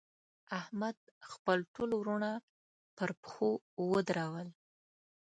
احمد؛ خپل ټول وروڼه پر پښو ودرول.